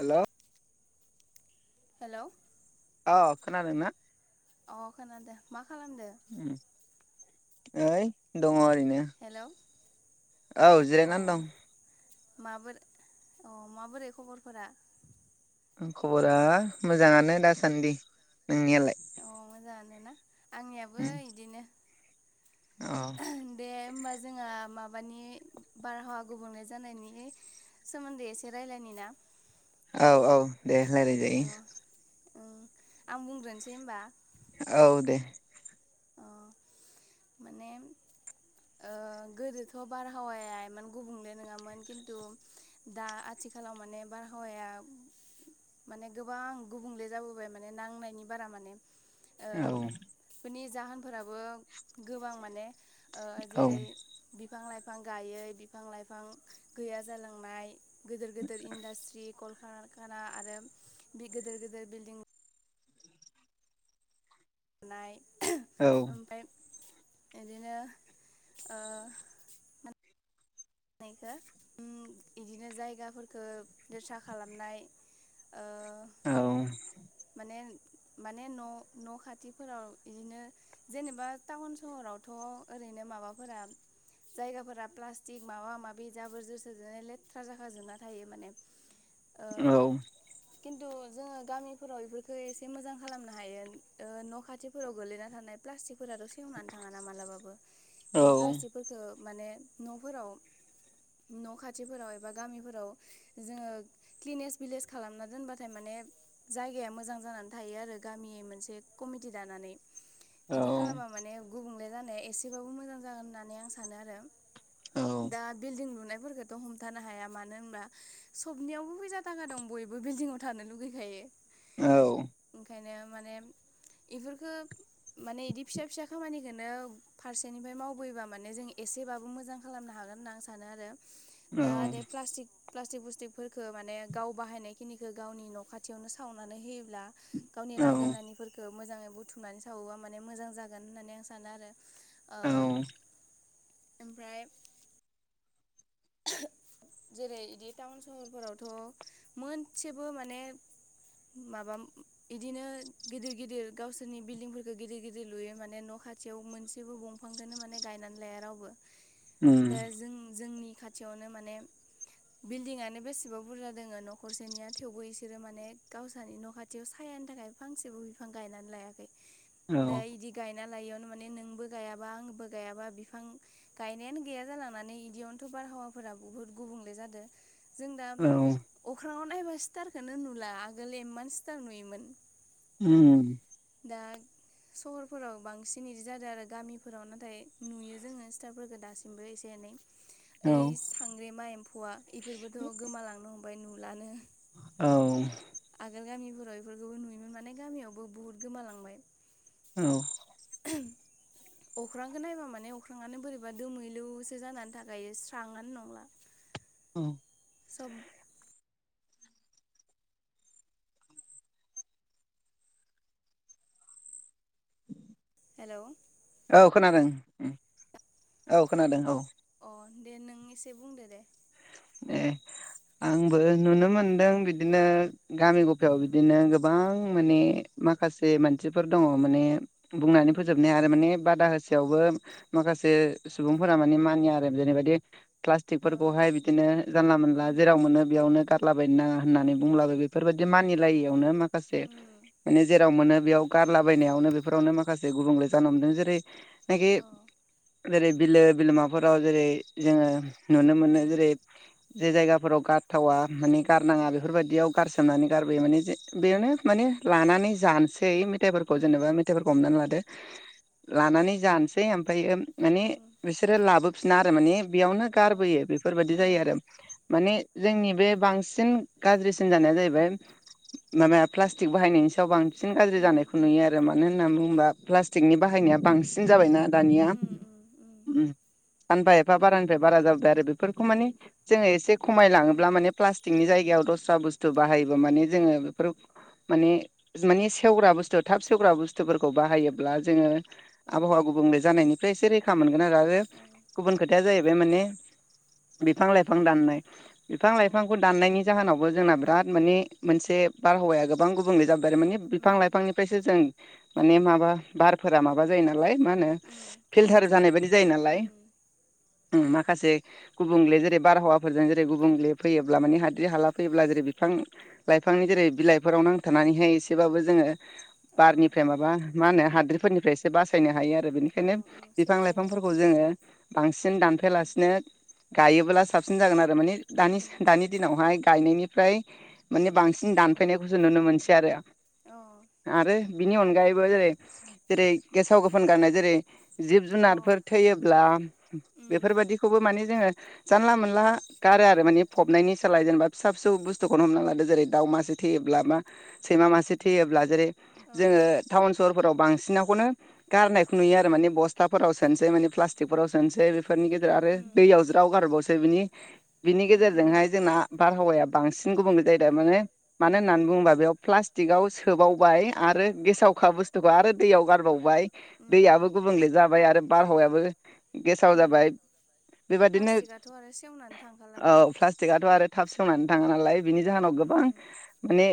हेल' हेल' अ खोनादों ना अ खोनादो मा खालामदो उम ओइ दङ ओरै ओरैनो हेलौ औ जिरायनानै दं माबोरै अ माबोरै खबरफोरा खबरा मोजाङानो दासान्दि नोंनियालाय मानो ना आंनियाबो इदिनो औ दे होमबा जों जोङो माबानि बारहावा गुबुंले जानायनि सोमोन्दै एसे रायलायनि ना औ औ दे रायलाय अ जायो। आं बुंग्रोनोसै होमबा औ दे अ माने ओ गोदोथ बारहावाया इमान गुबुंले नङामोन खिन्तु दा आथिखालाव माने बारहावाया माने गोबां गुबुंले जाबोबाय माने नांनायनि बारा माने औ जाहोन फोराबो गोबां माने ओ औ जेरै बिफां लाइफां गायै बिफां लाइफां गैया जालांनाय। गोदोर गोदोर इन्डास्ट्रि कल खार खाना आरो बि गिदेर गिदेर बिल्दिं [unintelligible] औ ओमफाय बिदिनो ओ [unintelligible] बिदिनो जायगाफोरखो दोसा खालामनाय ओ औ माने न' न' खाथिफोराव बिदिनो जेनेबा टाउन सहरावथ ओरैनो माबाफोरा जायगाफोरा प्लास्टिक माबा माबि जाबोर जोथओरजोंनो लेथ्रा जाखाजोबनो थायो माने ओ औ खिन्थु जोङो गामिफोराव इफोरखो एसे मोजां खालामनो हायो ओ न' खाथिफोराव गोगलैना थानाय प्लास्टिक फोराथ' सेवनानै थाङा ना मालाबाबो औ बे औ प्लास्टिकफोरखौ माने न'फोराव न' खाथिफोराव एबा गामिफोराव जोङो क्लिनेस भिलेज खालामना दोनबाथाय माने जायगाया मोजां जानानै थायो आरो गामियै मोनसे कमिटि दानानै औ इदि खालामबा माने गुबुं ले जानाया एसेबाबो मोजां जागोन होननानै आं सानो आरो दा बिल्डिं लुनाय फोरखौथ हमथानो हाया मानो होनबा सबनियावबो फैसा थाखा दं बयबो बिल्डिंआव थानो लुुगैखायो। ओंखायनो माने इफोरखो माने इदि फिसा फिसा खामानिखोनो फारसेनिफ्राय मावबोयोबा माने जों इसेबाबो मोजां खालामनो हागोन। होनना आं सानो आरो दा दे प्लास्टिक बुस [unintelligible] फोरखो माने गाव बाहायनाय खिनिखो गावनि नखाथियावनो सावनानै होयोब्ला गावनि औ लांगोनानिफोरखौ मोजाङै बुथुमनानै सावोबा माने मोजां जागोन होननानै आं सानो आरो। ओ ओमफ्राय जेरै बिदि टाउन सहरफोरावथ मोनसेबो माने माबा इदिनो गिदिर गिदिर गावसोरनि बिल्डिंफोरखौ गिदिर गिदिर लुयो माने न खाथियाव मोनसेबो दंफांखौनो माने गायनानै लाया रावबो दा उम जों जोंनि - खाथियावनो माने बिल्डिंआनो बेसेबा बुरजा दोङो नखरसेनिया थेवबो इसोरो माने गावसोरनि न' खाथियाव सायानि थाखाय फांसेबो बिफां गायनानै लायाखै औ दा इदि गाय ना लायैयावनो माने नोंबो गायाबा आंबो गायाबा बिफां गायनायानो गैया जालांनानै इदियावनोथ' बारहावा फोरा बुहुत गुबुंले जादो जों दा औ अख्रांङाव नायबा स्टारखौनो नुला आगोल एममान स्टार नुयोमोन उम उम दा सहरफोराव बांसिन इदि जादों आरो गामिफोराव नाथाय नुयो जोङो स्टारफोरखो दासिमबो एसे एनै औ मा एम्फौआ इफोरब गोमालांनो हमबाय नु लानो औ आगोल गामिफोराव बेफोरखौबो नुयोमोन माने गामियावबो बुहुत गोमालांबाय औ अख्रांखौ नायबा माने अख्राङानो बोरैबा दोमैलुसो जानानै थाखायो स्राङानो नंला औ सम हेल औ खोनादों औ खोनादों औ। अ दे नों एसे बुंदो दे। ए आंबो नुनो मोनदों बिदिनो गामि गफायाव उम बिदिनो गोबां माने माखासे मानसिफोर दङ माने बुंनानै उम फोजोबनाया आरो माने बादा होसेयावबो माखासे सुबुंफोरा माने मानिया आरो जेरैबायदि औ प्लास्टिकफोरखौ हाय जानला मोनानला उम जेराव मोनो बेयावनो गारलाबायनो नाङा होननानै बुंलाबो बेफोरबायाददि मानिलायैयावनो माखासे उम माने जेराव मोनो बेयाव गारलाबायनायावनो बेफोरावनो माखासे गुबुंले जानो हमदों। जेरै नाखि औ जेरै बिलो बिलोमाफोराव जेरै जोङो नुनो मोनो। उम जेरै जे जायगाफोराव गारथावा माने गारनाङा उम बेफोर बायादियाव गारसोमनानै गारबोयो माने बेयावनो माने लानानै जानोसै मेथायफोरखौ उम जेनबा मथाइफोर हमनानै ला लानानै जानोसै ओमफ्रायो माने उम बिसोरो लाबोफिना मानि बेयावनो औ गारबोयो बेफोरबायदि जायो ओं आरो मानि जोंनि बे बांसिन गाज्रिसिन जानाया जाहैबाय माबा प्लास्टिक बाहायनायनि सायाव बांसिन गाज्रि उम जानायखौ उम नुयो आरो मानो होननानै बुङोबा प्लास्टिकनि बाहायनाया बांसिन जाबायना दानिया उम सानफा एफा बारानिफ्राय बारा जाबाय आरो बेफोर बेखौ माने जोङो एसे खमाय उम लाङोब्ला माने प्लास्टिकनि जायगायाव दस्रा बुस्थु बाहायोबो माने जोङो बेफोर माने मानि सेवग्रा बुस्थु थाब सेवग्रा बुस्थुफोरखौ बाहायोब्ला जोङो औ आबहावा गुबुंले जानायनिफ्राय एसे रैखा मोनगोन आरो उम गुबुन खोथाया जाहैबाय माने बिफां लाइफां दाननाय बिफां औ लाइफांखौ दाननायनि जाहोनावबो जोंना बिराद माने मोनसे बारहावाया गोबां गुबुंले जाबाय आरो माने बिफां उम लाइफांनिफ्रायसो जों माने माबा बारफोरा माबा जायो नालाय मा होनो उम साफा फिल्टार जानाय बायदि जायो नालाय। उम उम मा खासे गुबुंले जेरै बारहावाफोरजों जेरै गुबुंले फैयोब्ला माने हाद्रि हाला फैयोब्ला जेरै बिफां लाइफांनि जेरै बिलाइफोराव नांथानानैहाय एसेबाबो जोङो औ बारनिफ्राय माबा मा होनो हाद्रिफोरनिफ्राय एसे बासायनो हायो आरो। अ बेनिखायनो ओं बिफां सेभ जायो लाइफांफोरखौ जोङो बांसिन दानफायालासिनो गायोब्ला साबसिन जागोन आरो माने दा उम दानि दिनावहाय गायनायनिफ्राय माने बांसिन दानफैनायखौसो नुनो मोनसै आरो आरो बिनि अनगायैबो जेरै जेरै गेसाव गोफोन गारनाय जेरै जिब जुनारफोर थैयोब्ला बेफोरबायादिखौबो माने जोङो जानला मोनला गारो आरो माने फबनायनि सोलाय जेनेबा फिसा फिसौ बुस्थुखौनो हमना लादो जेरै दाउ मासे थैयोब्ला बा सैमा मासे थैयोब्ला जेरै जोङो टाउन सहर फोराव बांसिनाखौनो गारनायखौ नुनो आरो बस्ताफोराव सोनोसै माने प्लास्टिकफोराव सोनसै फोरनि गेजेराव आरो दैयाव ज आरोबावसो बिनि बिनि गेजेरजोंहाय जोंना बारहावाया बांसिन गुबुंले जायो माने मानो होननानै बुङोबा बेयाव प्लास्टिकआव सोबावबाय आरो गेसावखा बुस्थुखौ आरो दैयाव गारबावबाय दैयाबो गुबुंले जाबाय आरो बारहावायाबो गेसाव ओं जाबाय बेबदिनो प्लास्टिकआथ' आरो सेवनानै थांखाला औ बे प्लास्टिकआथ आरो थाब सेवनानै थाङा नालाय बिनि जाहोनाव उम गोबां माने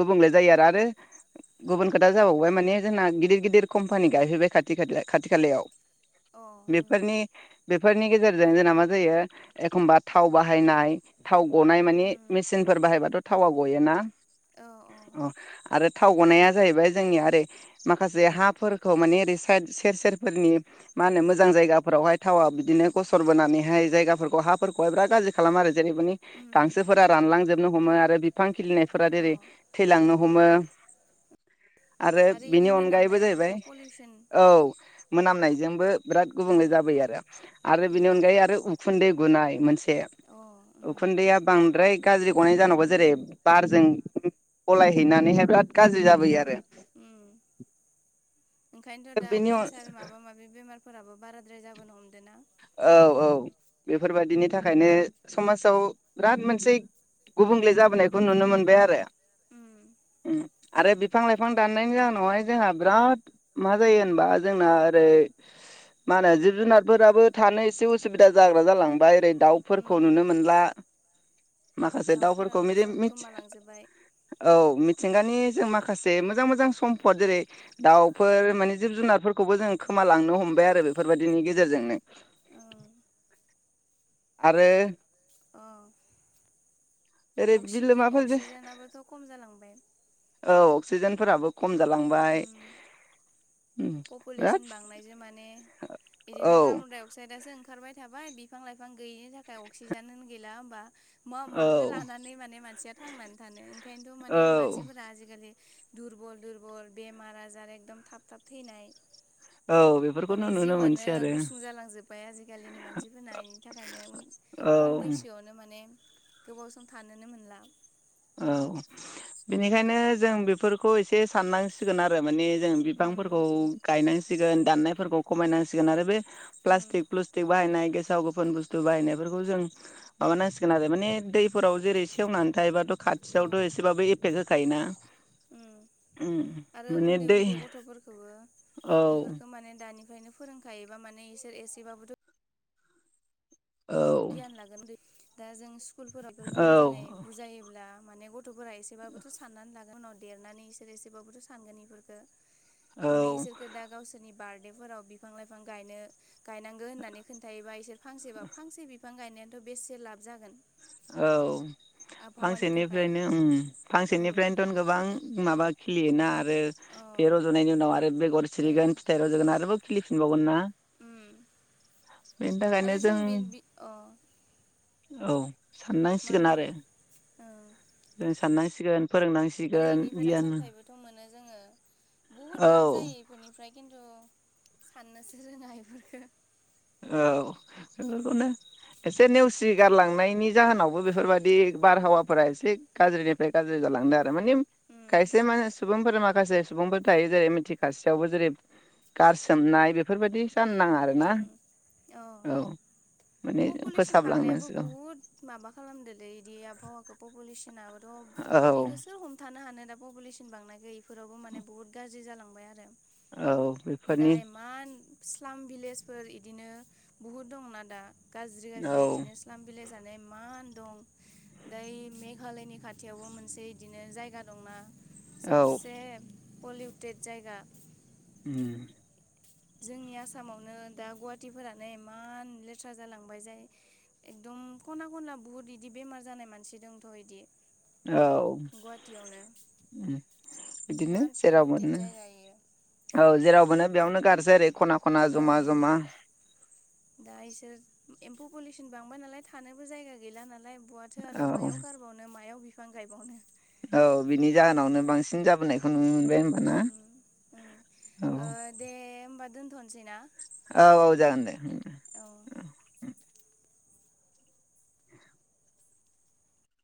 गुबुंले जायो आरो आरो गुबुन खोथा जाबावबाय माने जोंना गिदिर गिदिर कम्पानि गायफैबाय खाथि खाथि खा-खाथि खालायाव अ औ औ बेफोरनि बेफोरनि गेजेर जों मा जायो एखमबा थाव बाहायनाय थाव गनाय माने मेचनफोर बाहायबाथ थावआ गयोना अ आरो थाव गनाया जाहैबाय जोंनिया ओरै माखासे हाफोरखौ मान ओरै सेर सेरफोरनि मा होनो मोजां जायगाफोरावहाय थावा बिदिनो गसर बोनानैहाय जायगाफोरखौ हाफोरखौहाय बिराद गाज्रि खालामोआरो जेरै मानि उम गांसोफोरा रानलां जोब हमो आरो बिफां खिलिनाय फोरा अ जेरै थैलांनो हमो आरो बिनि इनि अनगायैबो मोनामनायाबोथ' जाहैबाय पलिउसन औ मोनामनायजोंबो बिराद गुबुंले उम जाबोयोआरो आरो बेनि उम अनगायै आरो उखुन्दै गुनाय मोनसे अ उम उखुन्दैया बांद्राय गाज्रि गनाय जानांगौ जेरै बारजों गलायहैनानैहाय बिराद गाज्रि जाबोयोआरो उम ओंखायनोथ दा केन्सार माबा माबि बेमार फोराबो बाराद्राय जाबोनो हमदों ना औ औ बेफोरबायदिनि थाखायनो समाजाव बिराद मोनसे गुबुंले जाबोनायखौ नुनो मोनबाय आरो आरो बिफां लाइफां दाननायनि जाहोनावहाय जोंहा बिराद मा जायो होनबा जोंना ओरै मा होनो जिब जुनारफोराबो थानो एसे उसुबिदा जाग्रा जालांबाय ओरै दाउफोरखौ नुनो मोनला माखासे दाउफोरखौ दाउफोराबो मिरि सब मिथि गोमालांजोब्बाय औ मिथ मिथिंगानि जों माखासे मोजां मोजां सम्पद जेरै दाउफोर माने जिब जुनारफोरखौबो जों खोमालांनो हमबाय आरो बेफोरबायदिनि गेजेरजोंनो ओं आरो औ ओरै अक्सिजेन बिलोमाफोर अक्सिजेनाबोथ खम जालांबाय औ अक्सिजेनफोराबो खम जालांबाय उम उम बिराद पपुलेसन बांनायजों माने औ बिदिनो कार्बनडाय अक्साइदासो ओंखारबाय थाबाय बिफां लाइफां गैयिनि थाखाय अक्सिजेनानो गैला होनबा मा माखौ औ लानानै माने मानसिया थांनानै थानो ओंखायनोथ माने औ मानसिफोरा आजिखालि दुरबल दुरबल बेमार आजार एकदम थाब थाब थैनाय औ बेफोरखौनो माने नुनो जिउआनो मोनसै आरो गुसुं जालांजोब्बाय आजिखालिनि मानसिफोरना बेनि थाखायनो औ खम बैसोआवनो माने गोबाव सम थानोनो मोनला औ बेनिखायनो जों बेफोरखौ एसे साननांसिगोन आरो माने जों उम बिफांफोरखौ गायनानै सिगोन दाननायफोरखौ खमायनांसिगोन आरो बे उम प्लाष्टिक प्लुष्टिक बाहायनाय गे गेसाव गोफोन बुस्थु बाहायनायफोरखौ जों माबानांसिगोन आरो माने दैफोराव जेरै सेवनानै थायोबाथ औ खाथियावथ एसेबाबो एफेक्ट हो खायो ना उम आरो उन्दै दै उन्दै गथफोरखौबो औ इफोरखौ माने दानि निफ्रायनो फोरोंखायोबा माने इसोर एसेबाबोथ औ गियान लागोन दा जों स्कुलफोराव मोजाङै बुजायोब्ला माने गथ थफोरा एसेबाबोथ साननानै ला उनाव देरनानै इसोर एसेबाबोथ सानगोन औ इफोरफोरखो माने इसोरखौ दा गावसोरनि बार्डेफोराव बिफां लाइफां गायनो गायनांगो होननानै खोन्थायायोबा इसोर फांसेबा फांसे बि बिफां गायनायानथ बेसे लाब जागोन औ आबहावानि थाखाय फांसेनिफ्रायनो उम उम फांसेनिफ्रायनोथ गोबां माबा खिलियोना आरो अ बे रजनायनि उनाव आरो बेगर उम सिरिगोन फिथाइ रजगोन आरोबाव खिलिफिनबावगोन ना उम बेनि आरो थाखायनो जों बे बि अ औ मा साननांसिगोन आरो होनदोंमोन ओं जों साननांसिगोन आरो फोरोंनांसिगोन इनिफ्राय फिथाय गियान सामथाइबोथ मोनो जोङो बुहुत औ लाब जायो इफोरनिफ्राय खिन्थु साननोसो रोङा इफोरफोरखौ औ बेफोरखौनो [unintelligible] एसे नेवसि सिगारलांनायनि जाहोनावबो बेफोरबायदि बारहावाफोरा एसे गाज्रिनिफ्राय गाज्रि जालांदों माने उम खायसे मान [unintelligible] सुबुं सुबुंफोरा माखासे सुबुंफोर थायो जेरै मिथिखासेयावबो जेरै गारसोमनाय बेफोरबायादि जानो नाङा आरो ना उम औ पपुलेसन बांनायाबो फोसाबलांनांसिगौ बुहुद माबा खालामदोलै बिदि आबहावाखौ पपुलेसनाबो औ बेखौ सोर हमथानो हानो दा पपुलेसन बांनाय गैयैफोरावबो माने बुहुत गाज्रि जालांबाय आरो औ बेफोरनि स्लां भिलेजफोर इदिनो बहुद दंना दा गाज्रि औ गाज्रि बिदिनो स्लाम बिलाइ जानाय दै इमान दं दै मेघालयनि खाथियावबो मोनसे बिदिनो जायगा दंना औ सबसे पलिउटेड जायगा उम जोंनि आसामावनो दा गुवाहाटी फोरानो इमान लेथ्रा जालांबाय जाय एकदम खना खनला बुहुत इदि बेमार जानाय मानसि दंथ बिदि औ उम बिदिनो इमान जेराव पलिउटेड मोनो जायगा इयो औ जेराव मोनो बेयावनो गाज्रि जेरै खना खना जमा ओं जमा दा इसोर एम्फौ पुलोसन बांबाय नालाय थानोबो जायगा गैला नालाय बहाथो औ आरो मायाव गारबावनो मायाव बि बिफां गायबावनो औ बिनि जाहोनावनो बांसिन जाबोनायखौ नुनो मोनबाय दे होमबा उम उम ना ओ औ दे होमबा दोनथनोसै ना? औ औ जागोन दे औ उम